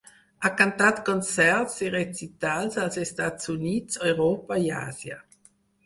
Ha cantat concerts i recitals als Estats Units, Europa i Àsia.